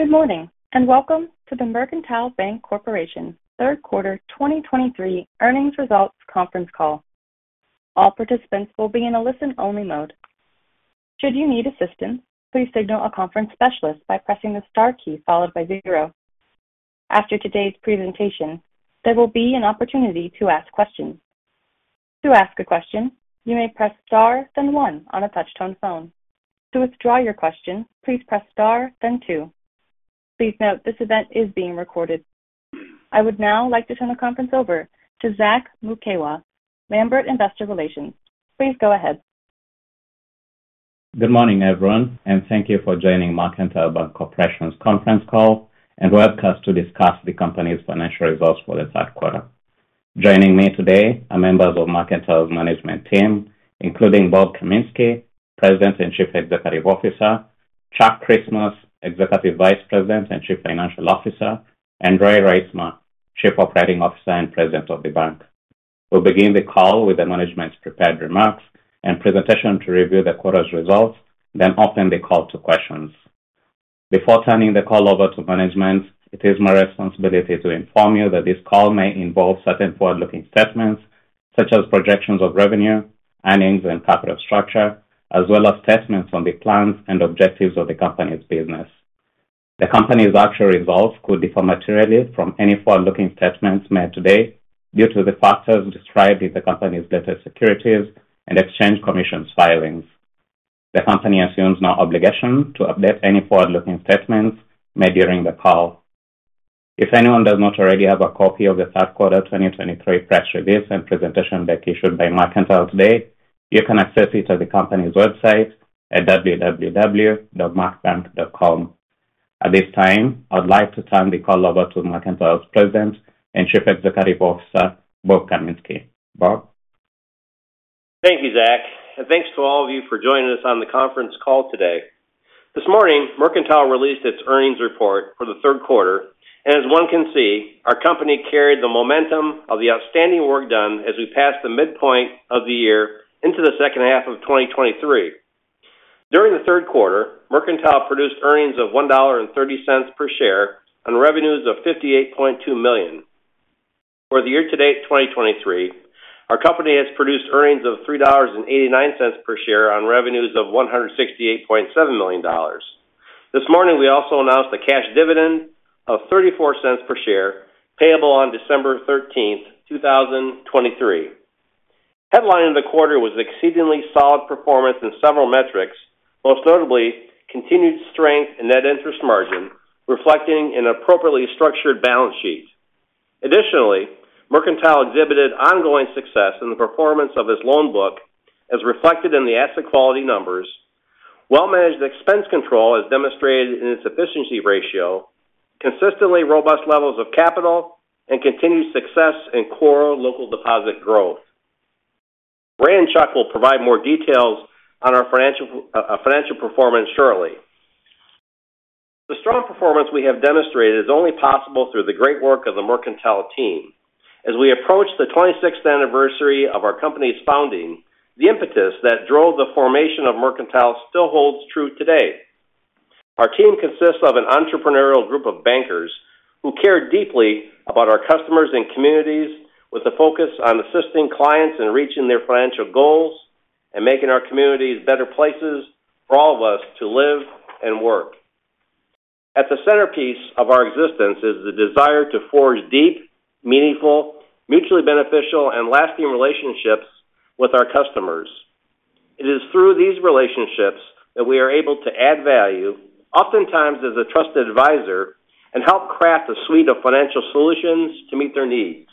Good morning, and welcome to the Mercantile Bank Corporation third quarter 2023 earnings results conference call. All participants will be in a listen-only mode. Should you need assistance, please signal a conference specialist by pressing the star key followed by zero. After today's presentation, there will be an opportunity to ask questions. To ask a question, you may press star, then one on a touch-tone phone. To withdraw your question, please press star, then two. Please note, this event is being recorded. I would now like to turn the conference over to Zack Mukewa, Lambert Investor Relations. Please go ahead. Good morning, everyone, and thank you for joining Mercantile Bank Corporation's conference call and webcast to discuss the company's financial results for the third quarter. Joining me today are members of Mercantile's management team, including Bob Kaminski, President and Chief Executive Officer, Chuck Christmas, Executive Vice President and Chief Financial Officer, and Ray Reitsma, Chief Operating Officer and President of the bank. We'll begin the call with the management's prepared remarks and presentation to review the quarter's results, then open the call to questions. Before turning the call over to management, it is my responsibility to inform you that this call may involve certain forward-looking statements, such as projections of revenue, earnings, and capital structure, as well as statements on the plans and objectives of the company's business. The company's actual results could differ materially from any forward-looking statements made today due to the factors described in the company's filings with the Securities and Exchange Commission. The company assumes no obligation to update any forward-looking statements made during the call. If anyone does not already have a copy of the third quarter 2023 press release and presentation that issued by Mercantile today, you can access it at the company's website at www.mercbank.com. At this time, I'd like to turn the call over to Mercantile's President and Chief Executive Officer, Bob Kaminski. Bob? Thank you, Zack, and thanks to all of you for joining us on the conference call today. This morning, Mercantile released its earnings report for the third quarter, and as one can see, our company carried the momentum of the outstanding work done as we passed the midpoint of the year into the second half of 2023. During the third quarter, Mercantile produced earnings of $1.30 per share on revenues of $58.2 million. For the year-to-date 2023, our company has produced earnings of $3.89 per share on revenues of $168.7 million. This morning, we also announced a cash dividend of $0.34 per share, payable on December 13th, 2023. Headline of the quarter was exceedingly solid performance in several metrics, most notably continued strength in net interest margin, reflecting an appropriately structured balance sheet. Additionally, Mercantile exhibited ongoing success in the performance of its loan book, as reflected in the asset quality numbers. Well-managed expense control is demonstrated in its efficiency ratio, consistently robust levels of capital, and continued success in core local deposit growth. Ray and Chuck will provide more details on our financial performance shortly. The strong performance we have demonstrated is only possible through the great work of the Mercantile team. As we approach the 26th anniversary of our company's founding, the impetus that drove the formation of Mercantile still holds true today. Our team consists of an entrepreneurial group of bankers who care deeply about our customers and communities, with a focus on assisting clients in reaching their financial goals and making our communities better places for all of us to live and work. At the centerpiece of our existence is the desire to forge deep, meaningful, mutually beneficial, and lasting relationships with our customers. It is through these relationships that we are able to add value, oftentimes as a trusted advisor, and help craft a suite of financial solutions to meet their needs.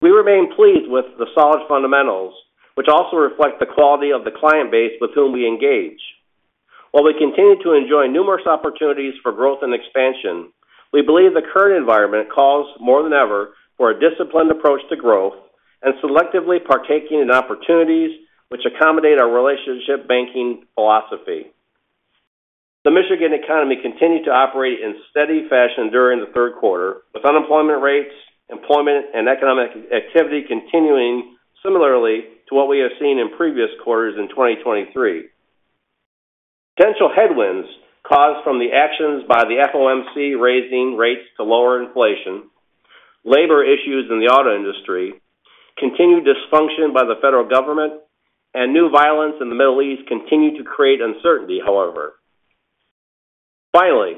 We remain pleased with the solid fundamentals, which also reflect the quality of the client base with whom we engage. While we continue to enjoy numerous opportunities for growth and expansion, we believe the current environment calls more than ever for a disciplined approach to growth and selectively partaking in opportunities which accommodate our relationship banking philosophy. The Michigan economy continued to operate in steady fashion during the third quarter, with unemployment rates, employment, and economic activity continuing similarly to what we have seen in previous quarters in 2023. Potential headwinds caused from the actions by the FOMC raising rates to lower inflation, labor issues in the auto industry, continued dysfunction by the federal government, and new violence in the Middle East continue to create uncertainty, however. Finally,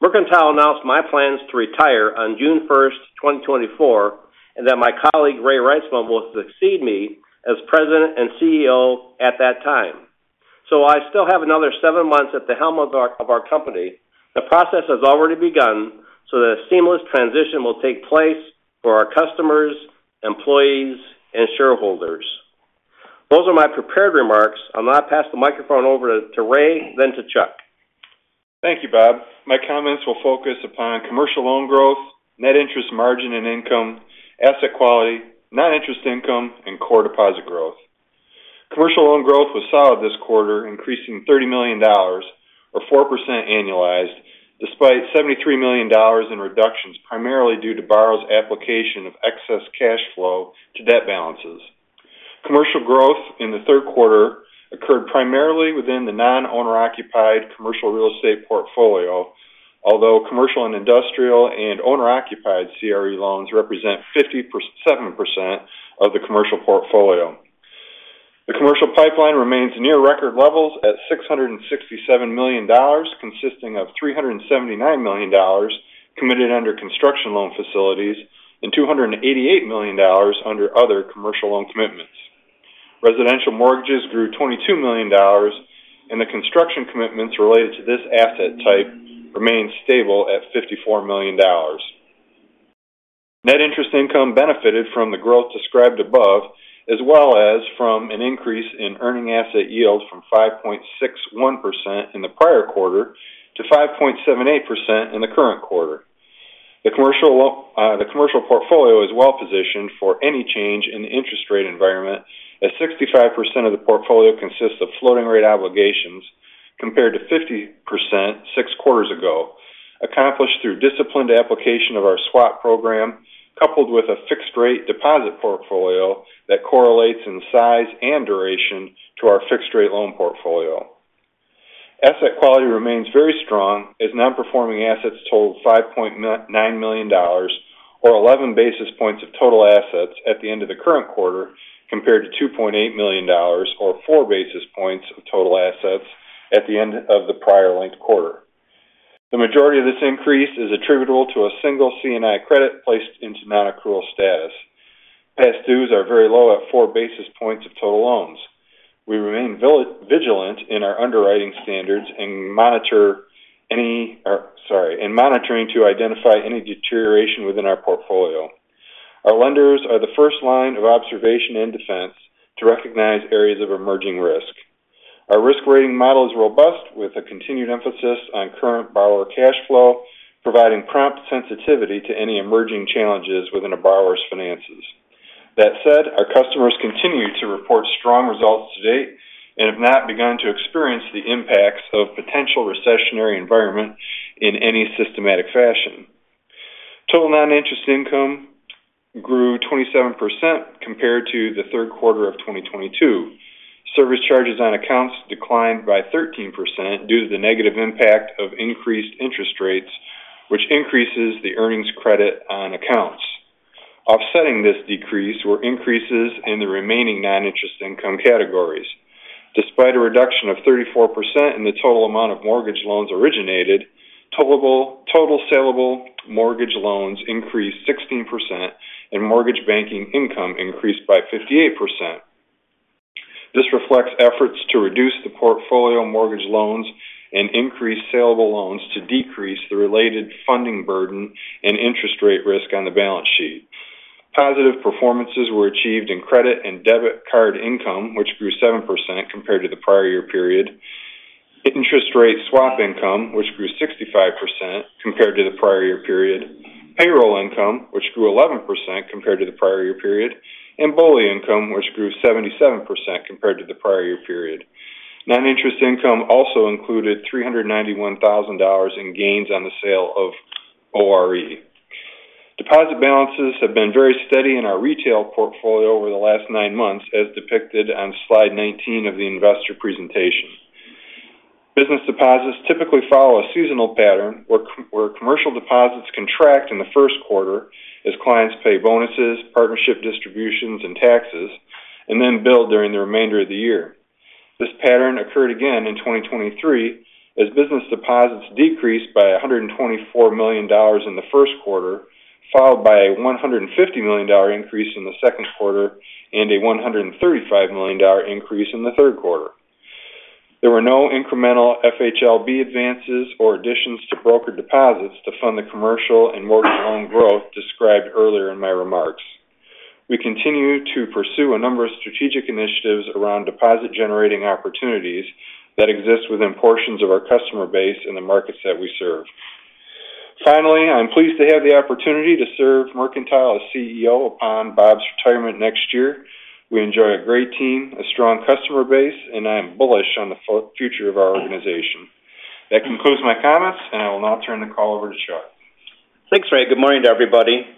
Mercantile announced my plans to retire on June 1st, 2024, and that my colleague, Ray Reitsma, will succeed me as president and CEO at that time. So while I still have another seven months at the helm of our, of our company, the process has already begun so that a seamless transition will take place for our customers, employees and shareholders. Those are my prepared remarks. I'll now pass the microphone over to Ray, then to Chuck. Thank you, Bob. My comments will focus upon commercial loan growth, net interest margin and income, asset quality, non-interest income, and core deposit growth. Commercial loan growth was solid this quarter, increasing $30 million or 4% annualized, despite $73 million in reductions, primarily due to borrowers' application of excess cash flow to debt balances. Commercial growth in the third quarter occurred primarily within the non-owner occupied commercial real estate portfolio, although commercial and industrial and owner-occupied CRE loans represent 57% of the commercial portfolio. The commercial pipeline remains near record levels at $667 million, consisting of $379 million committed under construction loan facilities and $288 million under other commercial loan commitments. Residential mortgages grew $22 million, and the construction commitments related to this asset type remained stable at $54 million. Net interest income benefited from the growth described above, as well as from an increase in earning asset yield from 5.61% in the prior quarter to 5.78% in the current quarter. The commercial portfolio is well positioned for any change in the interest rate environment, as 65% of the portfolio consists of floating rate obligations, compared to 50% six quarters ago, accomplished through disciplined application of our swap program, coupled with a fixed rate deposit portfolio that correlates in size and duration to our fixed rate loan portfolio. Asset quality remains very strong, as non-performing assets totaled $5.9 million, or 11 basis points of total assets at the end of the current quarter, compared to $2.8 million, or 4 basis points of total assets at the end of the prior linked quarter. The majority of this increase is attributable to a single C&I credit placed into non-accrual status. Past dues are very low at 4 basis points of total loans. We remain vigilant in our underwriting standards and in monitoring to identify any deterioration within our portfolio. Our lenders are the first line of observation and defense to recognize areas of emerging risk. Our risk rating model is robust, with a continued emphasis on current borrower cash flow, providing prompt sensitivity to any emerging challenges within a borrower's finances. That said, our customers continue to report strong results to date and have not begun to experience the impacts of potential recessionary environment in any systematic fashion. Total non-interest income grew 27% compared to the third quarter of 2022. Service charges on accounts declined by 13% due to the negative impact of increased interest rates, which increases the earnings credit on accounts. Offsetting this decrease were increases in the remaining non-interest income categories. Despite a reduction of 34% in the total amount of mortgage loans originated, total salable mortgage loans increased 16% and mortgage banking income increased by 58%. This reflects efforts to reduce the portfolio mortgage loans and increase salable loans to decrease the related funding burden and interest rate risk on the balance sheet. Positive performances were achieved in credit and debit card income, which grew 7% compared to the prior year period, interest rate swap income, which grew 65% compared to the prior year period, payroll income, which grew 11% compared to the prior year period, and BOLI income, which grew 77% compared to the prior year period. Non-interest income also included $391,000 in gains on the sale of ORE. Deposit balances have been very steady in our retail portfolio over the last nine months, as depicted on slide 19 of the investor presentation. Business deposits typically follow a seasonal pattern, where commercial deposits contract in the first quarter as clients pay bonuses, partnership distributions and taxes, and then build during the remainder of the year. This pattern occurred again in 2023, as business deposits decreased by $124 million in the first quarter, followed by a $150 million increase in the second quarter and a $135 million increase in the third quarter. There were no incremental FHLB advances or additions to broker deposits to fund the commercial and mortgage loan growth described earlier in my remarks. We continue to pursue a number of strategic initiatives around deposit-generating opportunities that exist within portions of our customer base in the markets that we serve. Finally, I'm pleased to have the opportunity to serve Mercantile as CEO upon Bob's retirement next year. We enjoy a great team, a strong customer base, and I am bullish on the future of our organization. That concludes my comments, and I will now turn the call over to Chuck. Thanks, Ray. Good morning to everybody.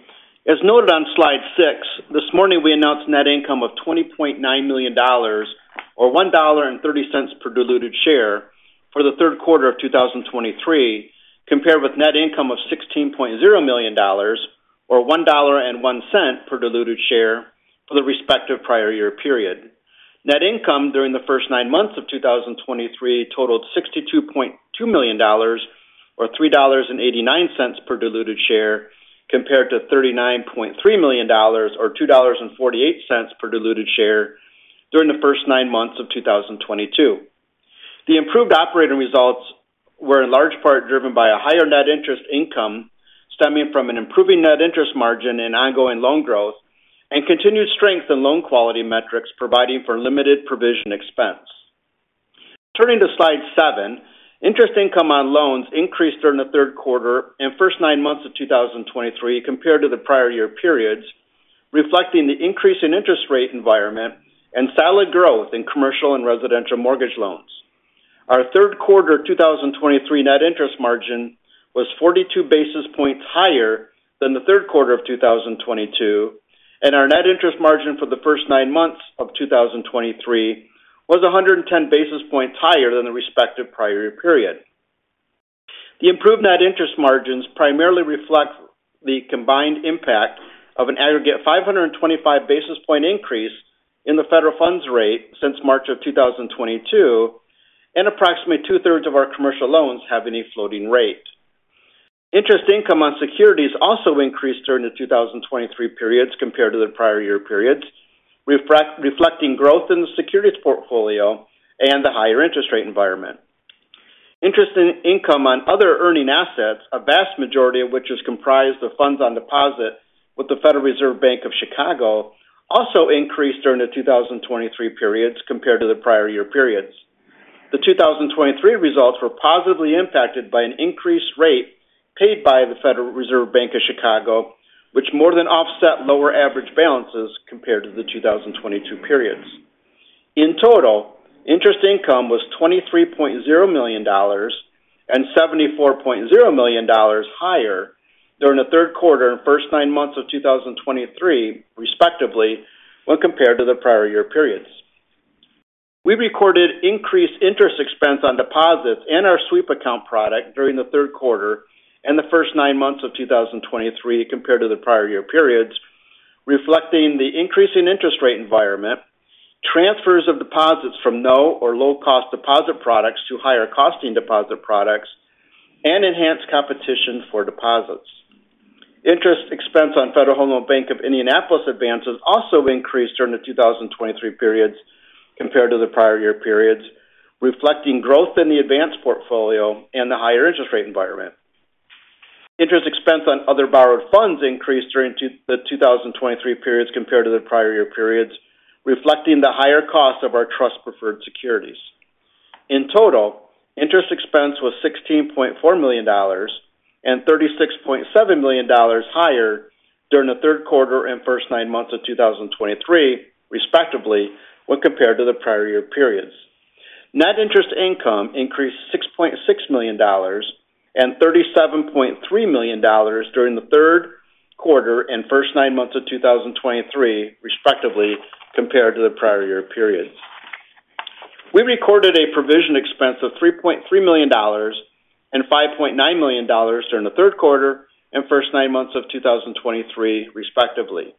As noted on slide six, this morning, we announced net income of $20.9 million or $1.30 per diluted share for the third quarter of 2023, compared with net income of $16.0 million or $1.01 per diluted share for the respective prior year period. Net income during the first nine months of 2023 totaled $62.2 million or $3.89 per diluted share, compared to $39.3 million or $2.48 per diluted share during the first nine months of 2022. The improved operating results were in large part driven by a higher net interest income, stemming from an improving net interest margin and ongoing loan growth, and continued strength in loan quality metrics, providing for limited provision expense. Turning to slide seven, interest income on loans increased during the third quarter and first nine months of 2023 compared to the prior year periods, reflecting the increase in interest rate environment and solid growth in commercial and residential mortgage loans. Our third quarter 2023 net interest margin was 42 basis points higher than the third quarter of 2022, and our net interest margin for the first nine months of 2023 was 110 basis points higher than the respective prior period. The improved net interest margins primarily reflect the combined impact of an aggregate 525 basis point increase in the federal funds rate since March of 2022, and approximately 2/3 of our commercial loans have any floating rate. Interest income on securities also increased during the 2023 periods compared to the prior year periods, reflecting growth in the securities portfolio and the higher interest rate environment. Interest income on other earning assets, a vast majority of which is comprised of funds on deposit with the Federal Reserve Bank of Chicago, also increased during the 2023 periods compared to the prior year periods. The 2023 results were positively impacted by an increased rate paid by the Federal Reserve Bank of Chicago, which more than offset lower average balances compared to the 2022 periods. In total, interest income was $23.0 million and $74.0 million higher during the third quarter and first nine months of 2023, respectively, when compared to the prior year periods. We recorded increased interest expense on deposits and our sweep account product during the third quarter and the first nine months of 2023 compared to the prior year periods, reflecting the increasing interest rate environment, transfers of deposits from no or low cost deposit products to higher costing deposit products, and enhanced competition for deposits. Interest expense on Federal Home Loan Bank of Indianapolis advances also increased during the 2023 periods compared to the prior year periods, reflecting growth in the advances portfolio and the higher interest rate environment. Interest expense on other borrowed funds increased during the 2023 periods compared to the prior year periods, reflecting the higher cost of our trust preferred securities. In total, interest expense was $16.4 million and $36.7 million higher during the third quarter and first nine months of 2023, respectively, when compared to the prior year periods. Net interest income increased $6.6 million and $37.3 million during the third quarter and first nine months of 2023, respectively, compared to the prior year periods. We recorded a provision expense of $3.3 million and $5.9 million during the third quarter and first nine months of 2023, respectively.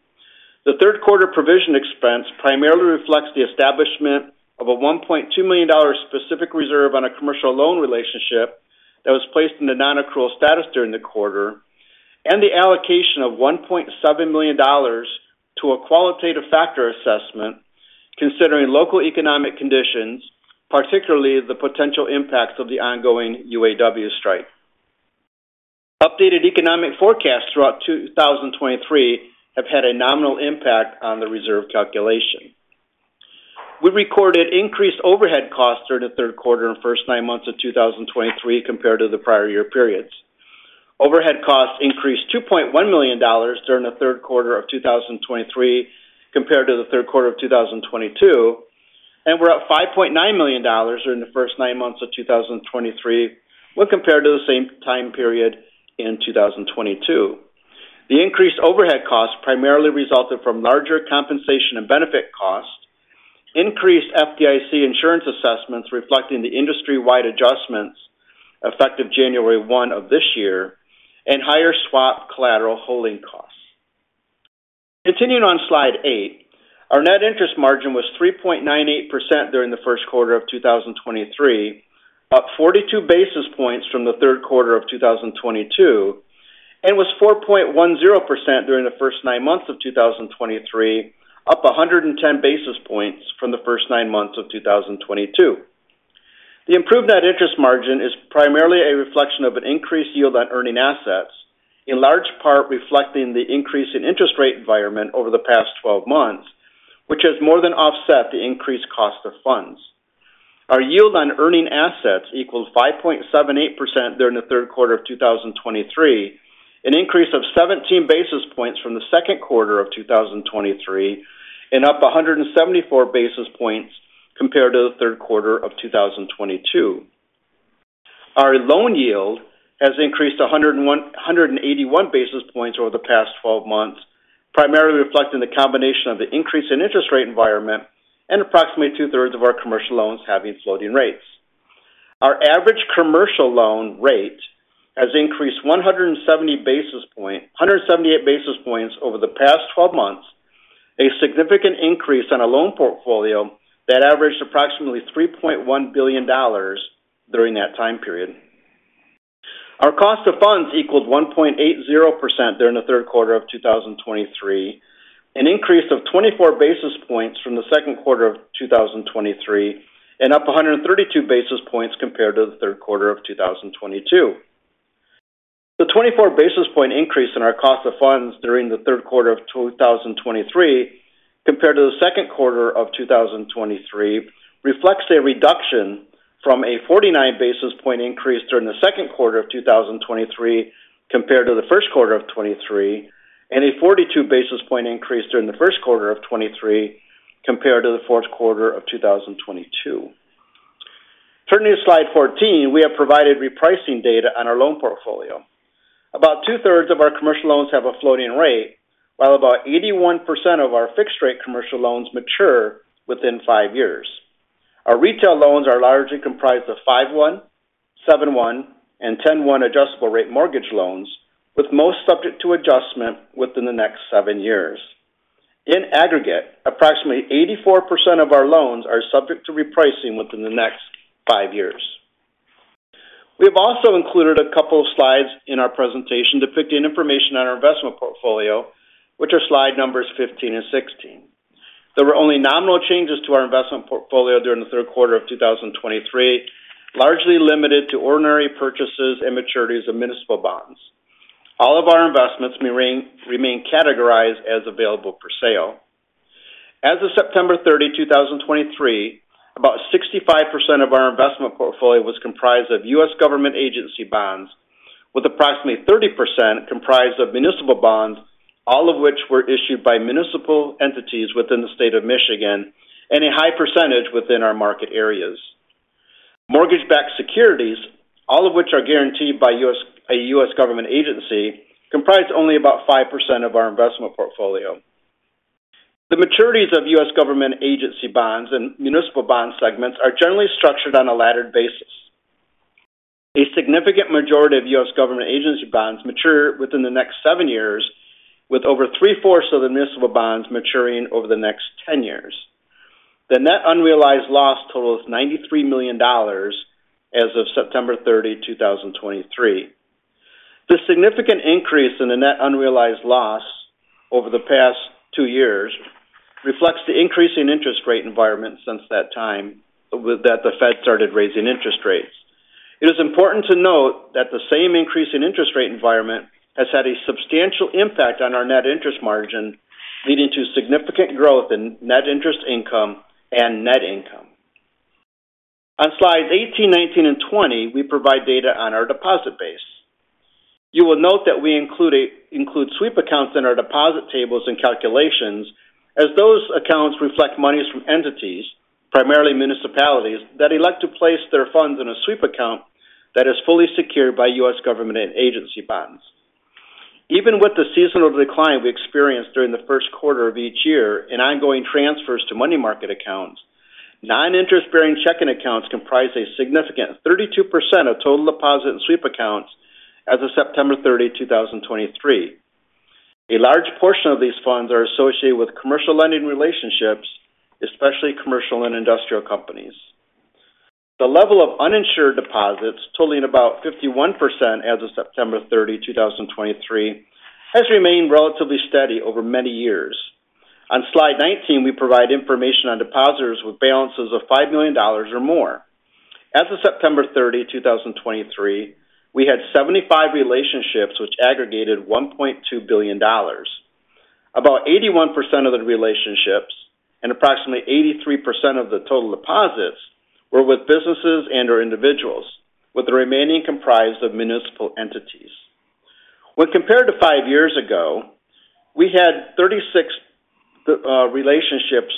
The third quarter provision expense primarily reflects the establishment of a $1.2 million specific reserve on a commercial loan relationship that was placed in the non-accrual status during the quarter, and the allocation of $1.7 million to a qualitative factor assessment considering local economic conditions, particularly the potential impacts of the ongoing UAW strike. Updated economic forecasts throughout 2023 have had a nominal impact on the reserve calculation. We recorded increased overhead costs during the third quarter and first nine months of 2023 compared to the prior year periods. Overhead costs increased $2.1 million during the third quarter of 2023 compared to the third quarter of 2022, and were at $5.9 million during the first nine months of 2023 when compared to the same time period in 2022. The increased overhead costs primarily resulted from larger compensation and benefit costs, increased FDIC insurance assessments reflecting the industry-wide adjustments effective January one of this year, and higher swap collateral holding costs. Continuing on slide eight, our net interest margin was 3.98% during the first quarter of 2023, up 42 basis points from the third quarter of 2022, and was 4.10% during the first nine months of 2023, up 110 basis points from the first nine months of 2022. The improved net interest margin is primarily a reflection of an increased yield on earning assets, in large part reflecting the increase in interest rate environment over the past 12 months, which has more than offset the increased cost of funds. Our yield on earning assets equals 5.78% during the third quarter of 2023, an increase of 17 basis points from the second quarter of 2023, and up 174 basis points compared to the third quarter of 2022. Our loan yield has increased 181 basis points over the past 12 months, primarily reflecting the combination of the increase in interest rate environment and approximately two-thirds of our commercial loans having floating rates. Our average commercial loan rate has increased 178 basis points over the past 12 months, a significant increase on a loan portfolio that averaged approximately $3.1 billion during that time period. Our cost of funds equaled 1.80% during the third quarter of 2023, an increase of 24 basis points from the second quarter of 2023, and up 132 basis points compared to the third quarter of 2022. The 24 basis point increase in our cost of funds during the third quarter of 2023, compared to the second quarter of 2023, reflects a reduction from a 49 basis point increase during the second quarter of 2023, compared to the first quarter of 2023, and a 42 basis point increase during the first quarter of 2023, compared to the fourth quarter of 2022. Turning to slide 14, we have provided repricing data on our loan portfolio. About two-thirds of our commercial loans have a floating rate, while about 81% of our fixed-rate commercial loans mature within five years. Our retail loans are largely comprised of 5/1, 7/1, and 10/1 adjustable rate mortgage loans, with most subject to adjustment within the next seven years. In aggregate, approximately 84% of our loans are subject to repricing within the next five years. We have also included a couple of slides in our presentation depicting information on our investment portfolio, which are slide numbers 15 and 16. There were only nominal changes to our investment portfolio during the third quarter of 2023, largely limited to ordinary purchases and maturities of municipal bonds. All of our investments remain categorized as available for sale. As of September 30, 2023, about 65% of our investment portfolio was comprised of U.S. government agency bonds, with approximately 30% comprised of municipal bonds, all of which were issued by municipal entities within the state of Michigan and a high percentage within our market areas. Mortgage-backed securities, all of which are guaranteed by a U.S. government agency, comprise only about 5% of our investment portfolio. The maturities of U.S. government agency bonds and municipal bond segments are generally structured on a laddered basis. A significant majority of U.S. government agency bonds mature within the next seven years, with over three-fourths of the municipal bonds maturing over the next 10 years. The net unrealized loss totals $93 million as of September 30, 2023. The significant increase in the net unrealized loss over the past two years reflects the increasing interest rate environment since that time that the Fed started raising interest rates. It is important to note that the same increase in interest rate environment has had a substantial impact on our net interest margin, leading to significant growth in net interest income and net income. On slides 18, 19, and 20, we provide data on our deposit base. You will note that we include sweep accounts in our deposit tables and calculations, as those accounts reflect monies from entities, primarily municipalities, that elect to place their funds in a sweep account that is fully secured by U.S. government and agency bonds. Even with the seasonal decline we experienced during the first quarter of each year in ongoing transfers to money market accounts, non-interest-bearing checking accounts comprise a significant 32% of total deposit and sweep accounts as of September 30, 2023. A large portion of these funds are associated with commercial lending relationships, especially commercial and industrial companies. The level of uninsured deposits totaling about 51% as of September 30, 2023, has remained relatively steady over many years. On slide 19, we provide information on depositors with balances of $5 million or more. As of September 30, 2023, we had 75 relationships, which aggregated $1.2 billion. About 81% of the relationships and approximately 83% of the total deposits were with businesses and/or individuals, with the remaining comprised of municipal entities. When compared to five years ago, we had 36 relationships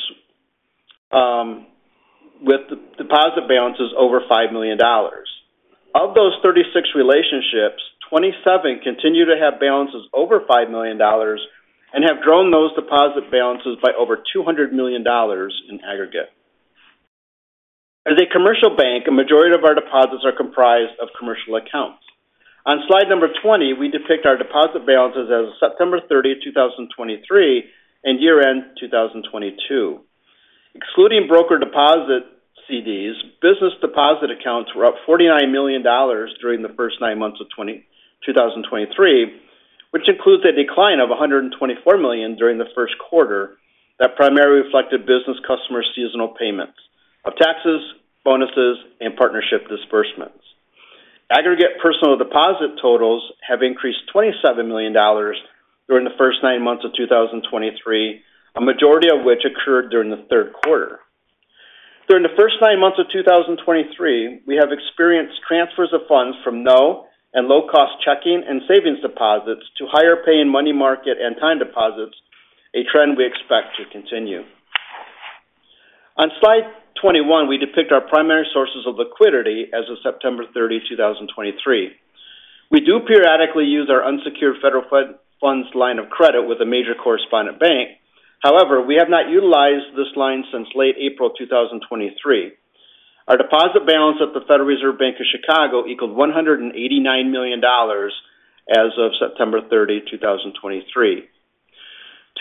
with deposit balances over $5 million. Of those 36 relationships, 27 continue to have balances over $5 million and have grown those deposit balances by over $200 million in aggregate. As a commercial bank, a majority of our deposits are comprised of commercial accounts. On slide number 20, we depict our deposit balances as of September 30, 2023, and year-end 2022. Excluding broker deposit CDs, business deposit accounts were up $49 million during the first nine months of 2023, which includes a decline of $124 million during the first quarter. That primarily reflected business customer seasonal payments of taxes, bonuses, and partnership disbursements. Aggregate personal deposit totals have increased $27 million during the first nine months of 2023, a majority of which occurred during the third quarter. During the first nine months of 2023, we have experienced transfers of funds from no and low-cost checking and savings deposits to higher paying money market and time deposits, a trend we expect to continue. On slide 21, we depict our primary sources of liquidity as of September 30, 2023. We do periodically use our unsecured federal funds line of credit with a major correspondent bank. However, we have not utilized this line since late April 2023. Our deposit balance at the Federal Reserve Bank of Chicago equaled $189 million as of September 30, 2023.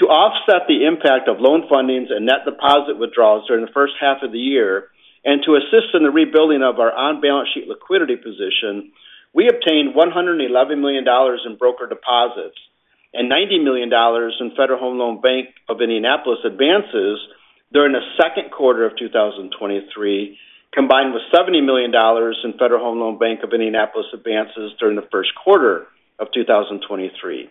To offset the impact of loan fundings and net deposit withdrawals during the first half of the year, and to assist in the rebuilding of our on-balance sheet liquidity position, we obtained $111 million in broker deposits and $90 million in Federal Home Loan Bank of Indianapolis advances during the second quarter of 2023, combined with $70 million in Federal Home Loan Bank of Indianapolis advances during the first quarter of 2023.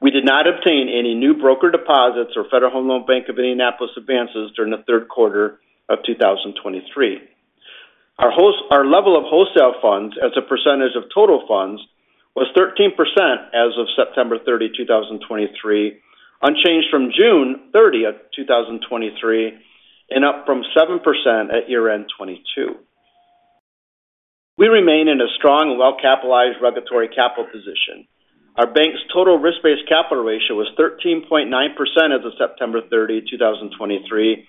We did not obtain any new broker deposits or Federal Home Loan Bank of Indianapolis advances during the third quarter of 2023. Our level of wholesale funds as a percentage of total funds was 13% as of September 30, 2023, unchanged from June 30, 2023, and up from 7% at year-end 2022. We remain in a strong, well-capitalized regulatory capital position. Our bank's total risk-based capital ratio was 13.9% as of September 30, 2023,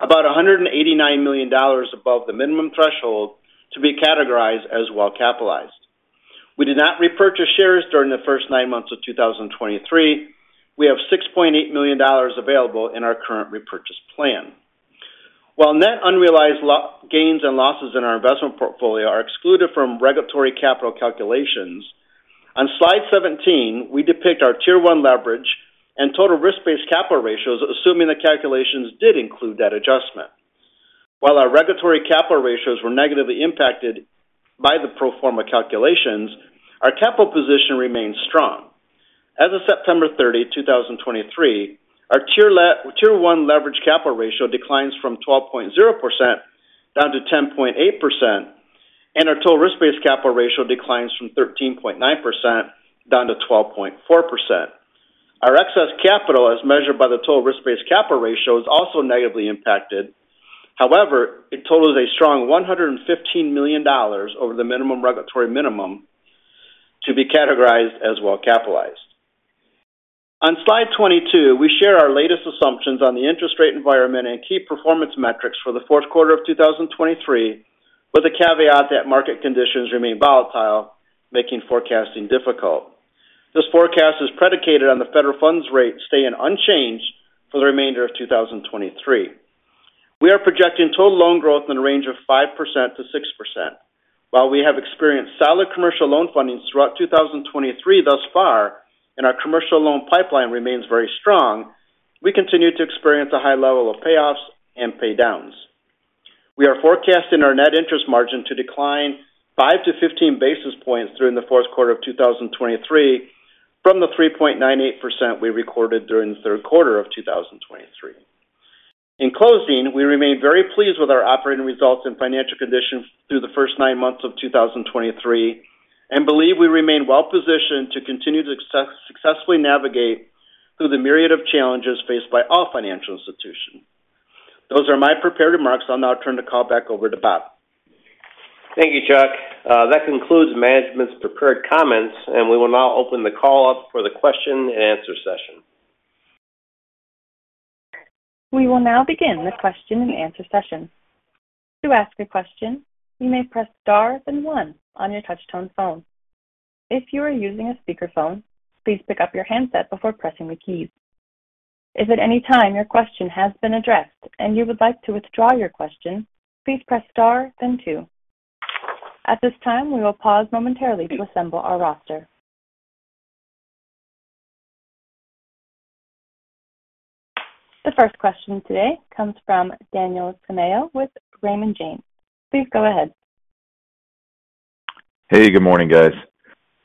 about $189 million above the minimum threshold to be categorized as well-capitalized. We did not repurchase shares during the first nine months of 2023. We have $6.8 million available in our current repurchase plan. While net unrealized gains and losses in our investment portfolio are excluded from regulatory capital calculations, on slide 17, we depict our Tier 1 leverage and total risk-based capital ratios, assuming the calculations did include that adjustment. While our regulatory capital ratios were negatively impacted by the pro forma calculations, our capital position remains strong. As of September 30, 2023, our Tier 1 leverage capital ratio declines from 12.0% down to 10.8%, and our total risk-based capital ratio declines from 13.9% down to 12.4%. Our excess capital, as measured by the total risk-based capital ratio, is also negatively impacted. However, it totals a strong $115 million over the minimum regulatory minimum to be categorized as well-capitalized. On slide 22, we share our latest assumptions on the interest rate environment and key performance metrics for the fourth quarter of 2023, with the caveat that market conditions remain volatile, making forecasting difficult. This forecast is predicated on the federal funds rate staying unchanged for the remainder of 2023. We are projecting total loan growth in the range of 5%-6%. While we have experienced solid commercial loan funding throughout 2023 thus far, and our commercial loan pipeline remains very strong, we continue to experience a high level of payoffs and pay downs. We are forecasting our net interest margin to decline 5-15 basis points during the fourth quarter of 2023 from the 3.98% we recorded during the third quarter of 2023. In closing, we remain very pleased with our operating results and financial conditions through the first nine months of 2023, and believe we remain well positioned to continue to successfully navigate through the myriad of challenges faced by all financial institutions. Those are my prepared remarks. I'll now turn the call back over to Bob. Thank you, Chuck. That concludes management's prepared comments, and we will now open the call up for the question-and-answer session. We will now begin the question-and-answer session. To ask a question, you may press star, then one on your touch-tone phone. If you are using a speakerphone, please pick up your handset before pressing the keys. If at any time your question has been addressed and you would like to withdraw your question, please press star, then two. At this time, we will pause momentarily to assemble our roster. The first question today comes from Daniel Tamayo with Raymond James. Please go ahead. Hey, good morning, guys.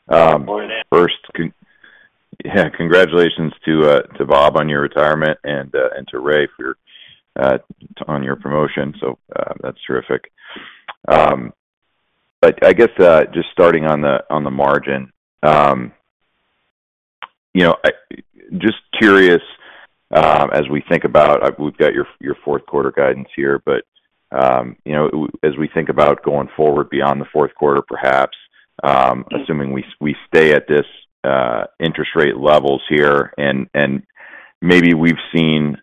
Good morning. First, congratulations to Bob on your retirement and to Ray for your on your promotion. So, that's terrific. I guess just starting on the margin, you know, just curious as we think about... We've got your fourth quarter guidance here, but you know, as we think about going forward beyond the fourth quarter, perhaps assuming we stay at this interest rate levels here, and maybe we've seen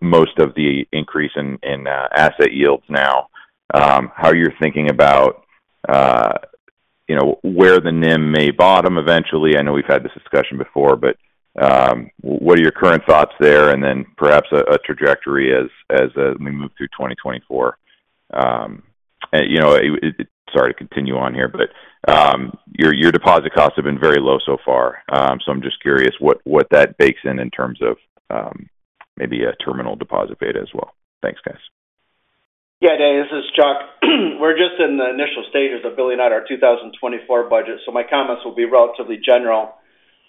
most of the increase in asset yields now, how you're thinking about you know, where the NIM may bottom eventually. I know we've had this discussion before, but what are your current thoughts there? And then perhaps a trajectory as we move through 2024. And, you know, sorry to continue on here, but your deposit costs have been very low so far. So I'm just curious what that bakes in in terms of maybe a terminal deposit beta as well. Thanks, guys. Yeah, Dan, this is Chuck. We're just in the initial stages of building out our 2024 budget, so my comments will be relatively general.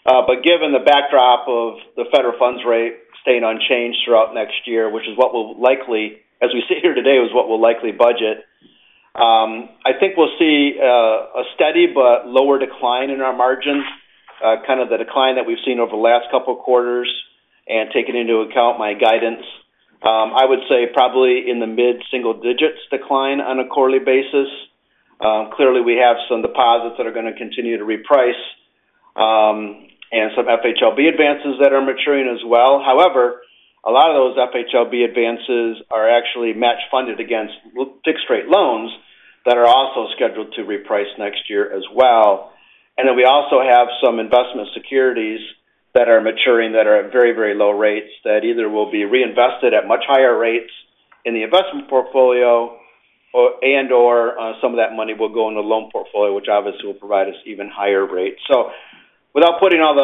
But given the backdrop of the federal funds rate staying unchanged throughout next year, which is what we'll likely, as we sit here today, is what we'll likely budget, I think we'll see a steady but lower decline in our margins, kind of the decline that we've seen over the last couple of quarters. Taking into account my guidance, I would say probably in the mid-single digits decline on a quarterly basis. Clearly, we have some deposits that are going to continue to reprice, and some FHLB advances that are maturing as well. However, a lot of those FHLB advances are actually match funded against fixed rate loans that are also scheduled to reprice next year as well. And then we also have some investment securities that are maturing that are at very, very low rates, that either will be reinvested at much higher rates in the investment portfolio or, and/or, some of that money will go in the loan portfolio, which obviously will provide us even higher rates. So without putting all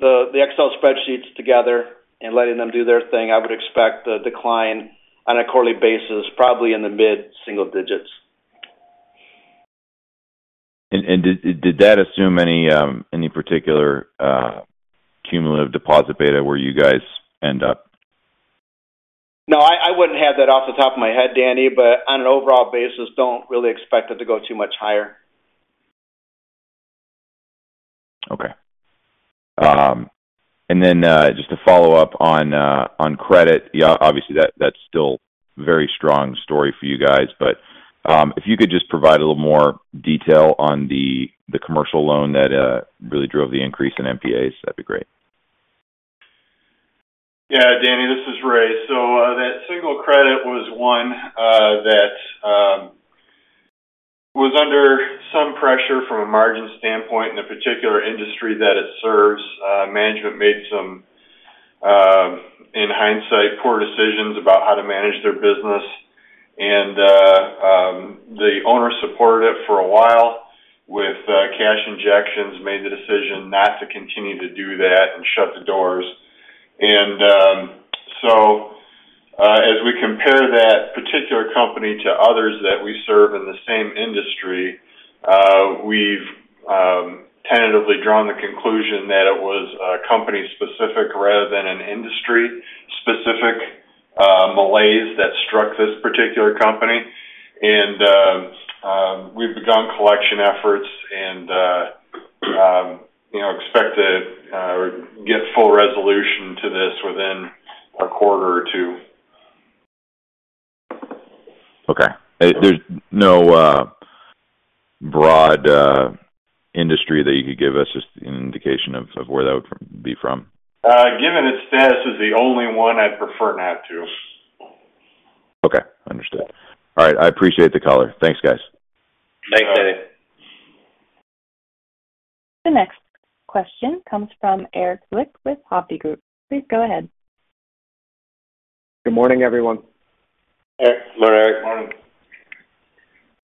the Excel spreadsheets together and letting them do their thing, I would expect a decline on a quarterly basis, probably in the mid-single digits. And did that assume any particular cumulative Deposit Beta where you guys end up? No, I wouldn't have that off the top of my head, Danny, but on an overall basis, don't really expect it to go too much higher. Okay. And then, just to follow up on, on credit. Yeah, obviously, that, that's still very strong story for you guys, but, if you could just provide a little more detail on the, the commercial loan that, really drove the increase in NPAs, that'd be great. Yeah, Danny, this is Ray. So, that single credit was one that was under some pressure from a margin standpoint in the particular industry that it serves. Management made some, in hindsight, poor decisions about how to manage their business. And the owner supported it for a while with cash injections, made the decision not to continue to do that and shut the doors. And so, as we compare that particular company to others that we serve in the same industry, we've tentatively drawn the conclusion that it was company-specific rather than an industry-specific malaise that struck this particular company. And we've begun collection efforts and, you know, expect to get full resolution to this within a quarter or two. Okay. There's no broad industry that you could give us just an indication of where that would be from? Given its status is the only one I'd prefer not to. Okay, understood. All right. I appreciate the color. Thanks, guys. Thanks, Danny. The next question comes from Erik Zwick with Hovde Group. Please go ahead. Good morning, everyone. Hey, good morning.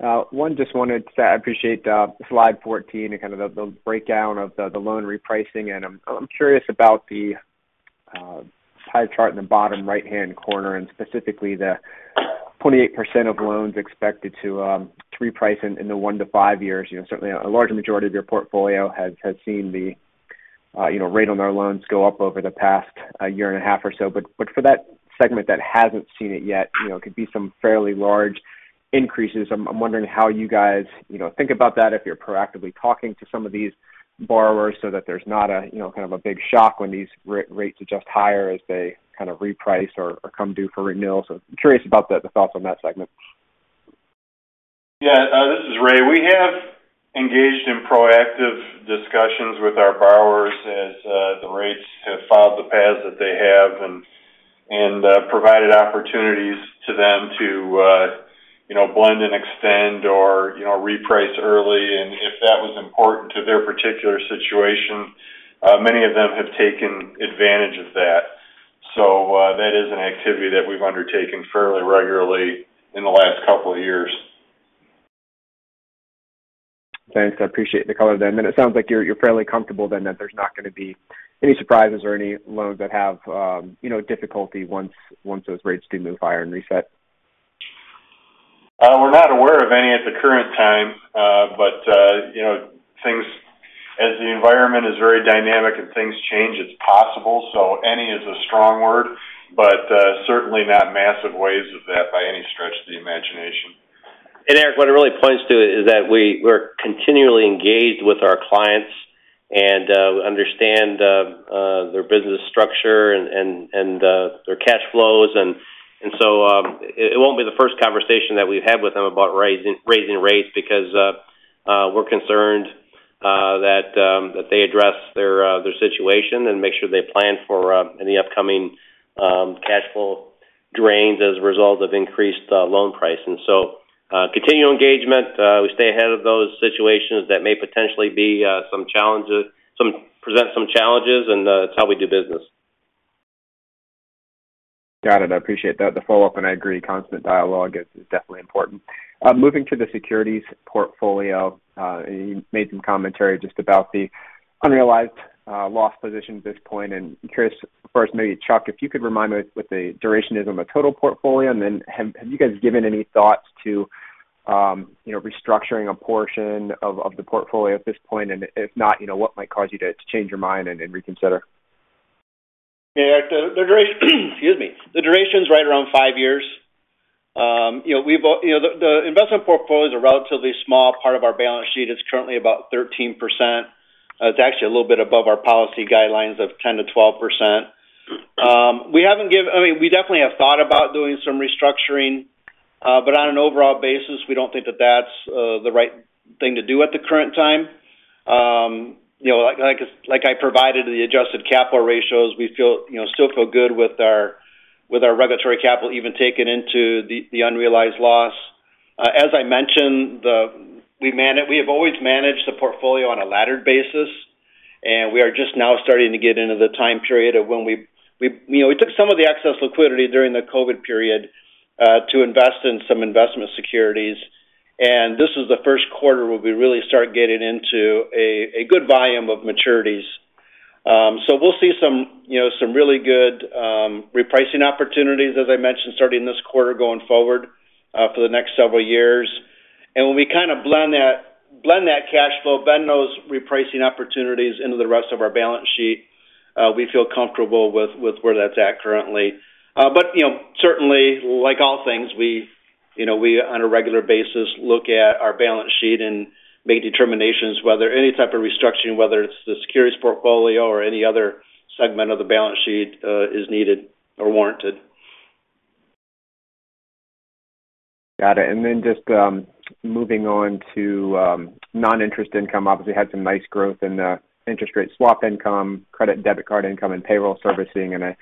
Morning. One, just wanted to—I appreciate slide 14 and kind of the breakdown of the loan repricing. And I'm curious about the pie chart in the bottom right-hand corner, and specifically the 28% of loans expected to reprice in the 1-5 years. You know, certainly a large majority of your portfolio has seen the, you know, rate on their loans go up over the past 1.5 years or so. But for that segment that hasn't seen it yet, you know, could be some fairly large increases. I'm wondering how you guys, you know, think about that, if you're proactively talking to some of these borrowers so that there's not a, you know, kind of a big shock when these rates adjust higher as they kind of reprice or come due for renewals. I'm curious about the thoughts on that segment. Yeah, this is Ray. We have engaged in proactive discussions with our borrowers as the rates have followed the paths that they have and, and provided opportunities to them to you know, blend and extend or, you know, reprice early. And if that was important to their particular situation, many of them have taken advantage of that. So, that is an activity that we've undertaken fairly regularly in the last couple of years. Thanks. I appreciate the color then. And it sounds like you're fairly comfortable then, that there's not going to be any surprises or any loans that have, you know, difficulty once those rates do move higher and reset. We're not aware of any at the current time, but you know, things as the environment is very dynamic and things change, it's possible. So any is a strong word, but certainly not massive waves of that by any stretch of the imagination. And Erik, what it really points to is that we're continually engaged with our clients and we understand their business structure and their cash flows. And so it won't be the first conversation that we've had with them about raising rates, because we're concerned that they address their situation and make sure they plan for any upcoming cash flow drains as a result of increased loan pricing. So continual engagement, we stay ahead of those situations that may potentially be some challenges—some present some challenges, and it's how we do business. Got it. I appreciate that, the follow-up, and I agree, constant dialogue is definitely important. Moving to the securities portfolio, you made some commentary just about the unrealized loss position at this point. And I'm curious, first, maybe, Chuck, if you could remind me what the duration is on the total portfolio, and then have you guys given any thoughts to, you know, restructuring a portion of the portfolio at this point? And if not, you know, what might cause you to change your mind and reconsider? Yeah, the duration, excuse me. The duration is right around five years. You know, we've you know, the investment portfolio is a relatively small part of our balance sheet. It's currently about 13%. It's actually a little bit above our policy guidelines of 10%-12%. I mean, we definitely have thought about doing some restructuring, but on an overall basis, we don't think that that's the right thing to do at the current time. You know, like I provided the adjusted capital ratios, we feel, you know, still feel good with our regulatory capital, even taking into the unrealized loss. As I mentioned, we have always managed the portfolio on a laddered basis, and we are just now starting to get into the time period of when we... You know, we took some of the excess liquidity during the COVID period to invest in some investment securities, and this is the first quarter where we really start getting into a good volume of maturities. So we'll see some, you know, some really good repricing opportunities, as I mentioned, starting this quarter, going forward, for the next several years. And when we kind of blend that cash flow, blend those repricing opportunities into the rest of our balance sheet, we feel comfortable with where that's at currently. But, you know, certainly, like all things, we, you know, we, on a regular basis, look at our balance sheet and make determinations whether any type of restructuring, whether it's the securities portfolio or any other segment of the balance sheet, is needed or warranted. Got it. And then just moving on to non-interest income. Obviously, had some nice growth in the interest rate swap income, credit and debit card income, and payroll servicing. And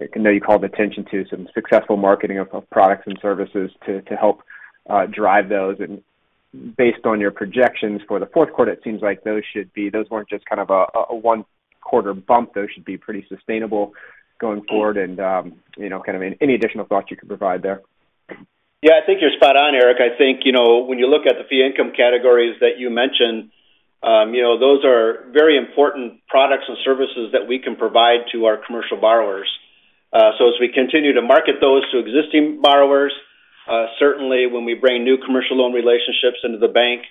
I know you called attention to some successful marketing of products and services to help drive those. And based on your projections for the fourth quarter, it seems like those should be-- those weren't just kind of a one quarter bump. Those should be pretty sustainable going forward. And you know, kind of any additional thoughts you could provide there? Yeah, I think you're spot on, Erik. I think, you know, when you look at the fee income categories that you mentioned, you know, those are very important products and services that we can provide to our commercial borrowers. So as we continue to market those to existing borrowers, certainly when we bring new commercial loan relationships into the bank,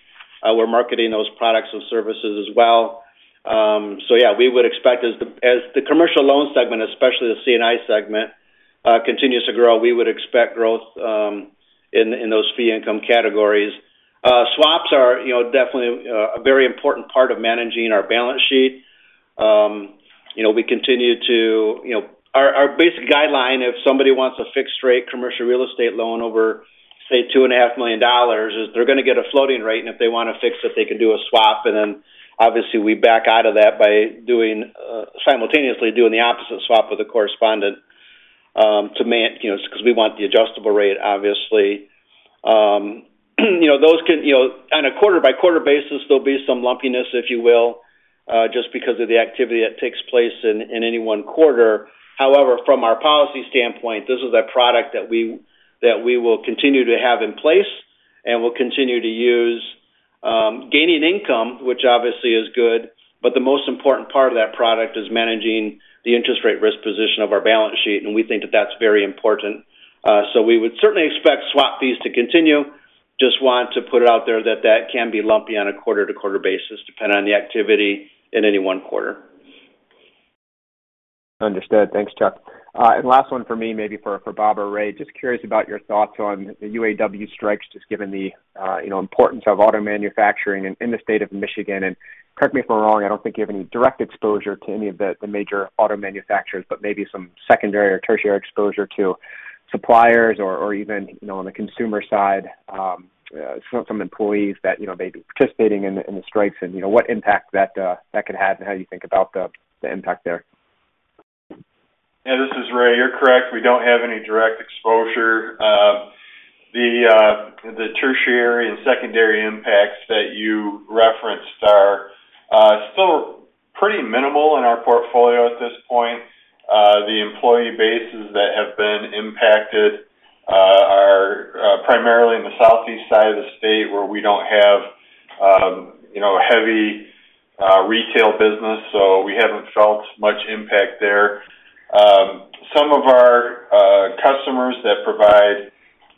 we're marketing those products and services as well. So yeah, we would expect as the commercial loan segment, especially the C&I segment, continues to grow, we would expect growth in those fee income categories. Swaps are, you know, definitely a very important part of managing our balance sheet. You know, we continue to... You know, our basic guideline, if somebody wants a fixed rate commercial real estate loan over, say, $2.5 million, is they're going to get a floating rate, and if they want to fix it, they can do a swap. And then, obviously, we back out of that by doing simultaneously doing the opposite swap with a correspondent, you know, because we want the adjustable rate, obviously. You know, those can, you know... On a quarter-by-quarter basis, there'll be some lumpiness, if you will, just because of the activity that takes place in any one quarter. However, from our policy standpoint, this is a product that we, that we will continue to have in place and will continue to use, gaining income, which obviously is good, but the most important part of that product is managing the interest rate risk position of our balance sheet, and we think that that's very important. So we would certainly expect swap fees to continue. Just want to put it out there that that can be lumpy on a quarter-to-quarter basis, depending on the activity in any one quarter. Understood. Thanks, Chuck. And last one for me, maybe for Bob or Ray. Just curious about your thoughts on the UAW strikes, just given the, you know, importance of auto manufacturing in the state of Michigan. And correct me if I'm wrong, I don't think you have any direct exposure to any of the major auto manufacturers, but maybe some secondary or tertiary exposure to suppliers or even, you know, on the consumer side, some employees that, you know, may be participating in the strikes and, you know, what impact that could have and how you think about the impact there? Yeah, this is Ray. You're correct. We don't have any direct exposure. The tertiary and secondary impacts that you referenced are still pretty minimal in our portfolio at this point. The employee bases that have been impacted are primarily in the southeast side of the state, where we don't have, you know, heavy retail business, so we haven't felt much impact there. Some of our customers that provide,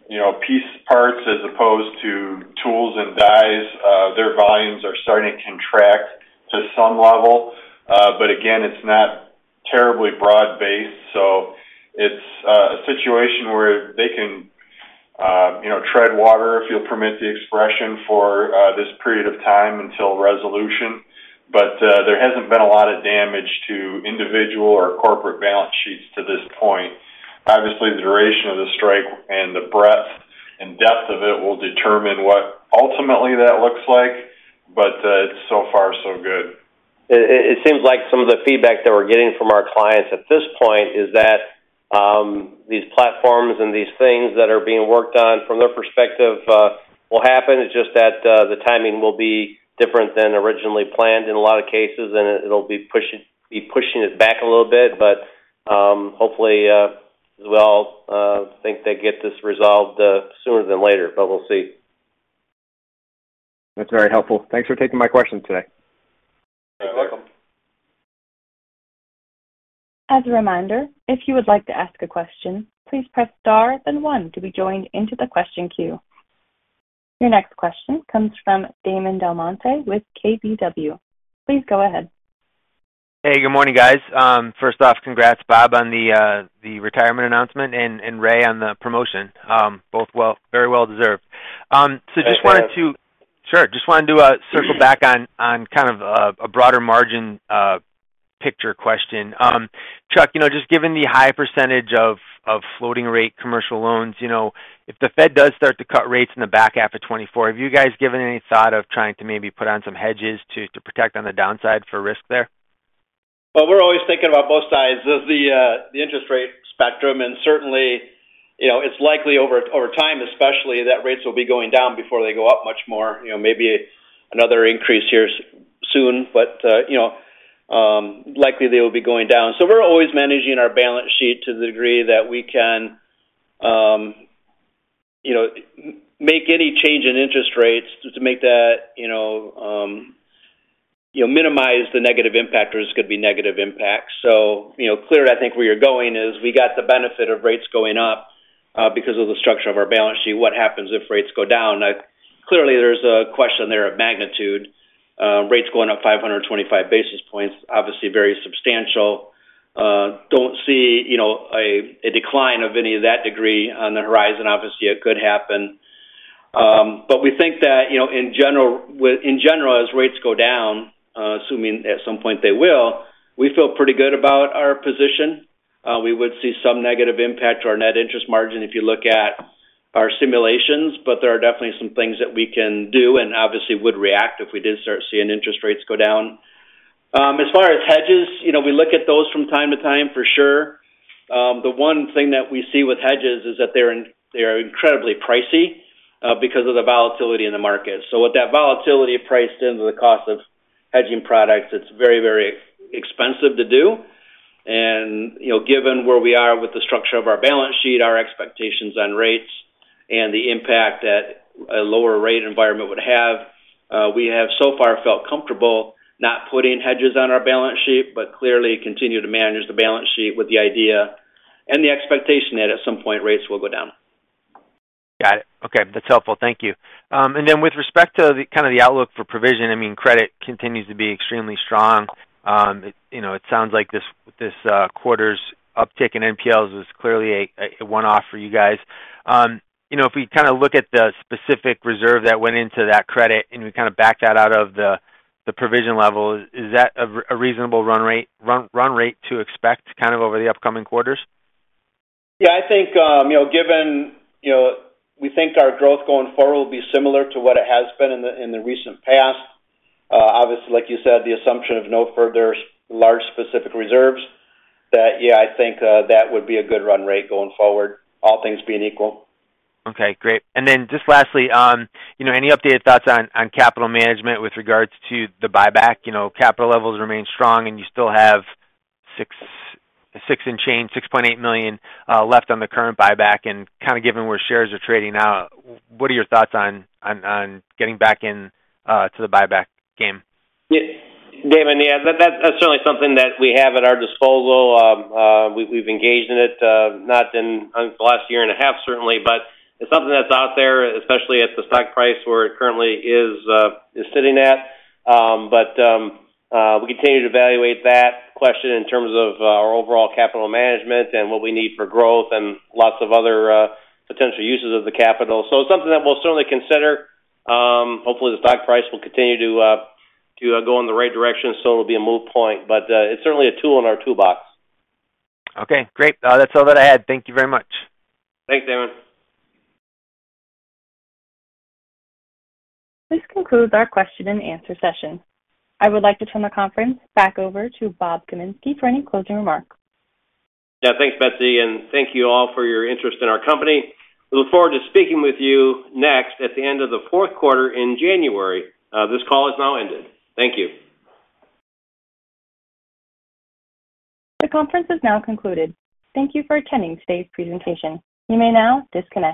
you know, piece parts as opposed to tools and dyes, their volumes are starting to contract to some level. But again, it's not terribly broad-based, so it's a situation where they can, you know, tread water, if you'll permit the expression, for this period of time until resolution. But there hasn't been a lot of damage to individual or corporate balance sheets to this point. Obviously, the duration of the strike and the breadth and depth of it will determine what ultimately that looks like, but, so far, so good. It seems like some of the feedback that we're getting from our clients at this point is that these platforms and these things that are being worked on from their perspective will happen. It's just that the timing will be different than originally planned in a lot of cases, and it'll be pushing it back a little bit. But hopefully we all think they get this resolved sooner than later, but we'll see. That's very helpful. Thanks for taking my questions today. You're welcome. As a reminder, if you would like to ask a question, please press star, then one to be joined into the question queue. Your next question comes from Damon DelMonte with KBW. Please go ahead. Hey, good morning, guys. First off, congrats, Bob, on the retirement announcement, and Ray on the promotion. Both very well deserved. Just wanted to- Thanks, Damon. Sure. Just wanted to circle back on kind of a broader margin picture question. Chuck, you know, just given the high percentage of floating rate commercial loans, you know, if the Fed does start to cut rates in the back half of 2024, have you guys given any thought of trying to maybe put on some hedges to protect on the downside for risk there? Well, we're always thinking about both sides of the interest rate spectrum, and certainly, you know, it's likely over time, especially, that rates will be going down before they go up much more. You know, maybe another increase here soon, but, you know, likely they will be going down. So we're always managing our balance sheet to the degree that we can, you know, make any change in interest rates, to make that you know, minimize the negative impact, or there's going to be negative impacts. So, you know, clearly, I think where you're going is we got the benefit of rates going up, because of the structure of our balance sheet. What happens if rates go down? Like, clearly, there's a question there of magnitude. Rates going up 525 basis points, obviously very substantial. Don't see, you know, a decline of any of that degree on the horizon. Obviously, it could happen. But we think that, you know, in general, as rates go down, assuming at some point they will, we feel pretty good about our position. We would see some negative impact to our net interest margin if you look at our simulations, but there are definitely some things that we can do and obviously would react if we did start seeing interest rates go down. As far as hedges, you know, we look at those from time to time for sure. The one thing that we see with hedges is that they are incredibly pricey because of the volatility in the market. So with that volatility priced into the cost of hedging products, it's very, very expensive to do. You know, given where we are with the structure of our balance sheet, our expectations on rates and the impact that a lower rate environment would have, we have so far felt comfortable not putting hedges on our balance sheet, but clearly continue to manage the balance sheet with the idea and the expectation that at some point rates will go down. Got it. Okay. That's helpful. Thank you. And then with respect to the kind of outlook for provision, I mean, credit continues to be extremely strong. You know, it sounds like this quarter's uptick in NPLs is clearly a one-off for you guys. You know, if we kind of look at the specific reserve that went into that credit, and we kind of back that out of the provision level, is that a reasonable run rate to expect kind of over the upcoming quarters? Yeah, I think, you know, given, you know, we think our growth going forward will be similar to what it has been in the, in the recent past. Obviously, like you said, the assumption of no further large specific reserves, that, yeah, I think, that would be a good run rate going forward, all things being equal. Okay, great. Then just lastly, you know, any updated thoughts on capital management with regards to the buyback? You know, capital levels remain strong, and you still have six, six and change, $6.8 million left on the current buyback. And kind of given where shares are trading now, what are your thoughts on getting back in to the buyback game? Yeah, Damon, yeah, that's certainly something that we have at our disposal. We've engaged in it, not in the last year and a half, certainly, but it's something that's out there, especially at the stock price where it currently is sitting at. But we continue to evaluate that question in terms of our overall capital management and what we need for growth and lots of other potential uses of the capital. So it's something that we'll certainly consider. Hopefully, the stock price will continue to go in the right direction, so it'll be a moot point, but it's certainly a tool in our toolbox. Okay, great. That's all that I had. Thank you very much. Thanks, Damon. This concludes our question and answer session. I would like to turn the conference back over to Bob Kaminski for any closing remarks. Yeah. Thanks, Betsy, and thank you all for your interest in our company. We look forward to speaking with you next at the end of the fourth quarter in January. This call has now ended. Thank you. The conference is now concluded. Thank you for attending today's presentation. You may now disconnect.